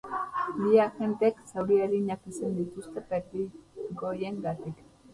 Bi agentek zauri arinak izan dituzte perdigoiengatik.